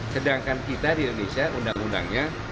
sedangkan kita di indonesia undang undangnya